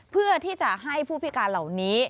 เพื่อที่จะให้ผู้พิการเหล่านี้